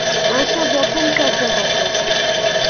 আশা তখন শয্যাগত।